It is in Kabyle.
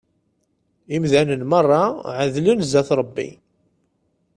Imdanen merra εedlen zzat Rebbi.